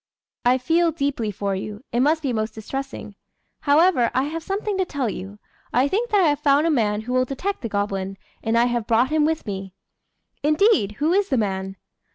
"I feel deeply for you: it must be most distressing. However, I have something to tell you. I think that I have found a man who will detect the goblin; and I have brought him with me." "Indeed! who is the man?"